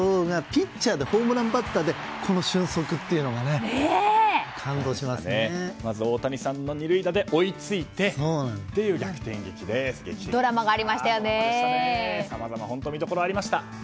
ピッチャーでホームランバッターでこの俊足っていうのがオオタニサンの二塁打で追いついてという逆転劇で本当に見どころ、ありました。